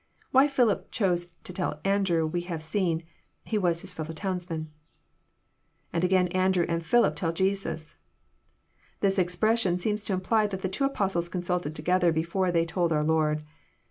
Why Philip chose to tell Andrew we have seen. He was His fellow^ townsman. lAnd again Andrew and Philip tell Jesus,] This expression seems to imply that the two Apostles consulted together before they told our Lord.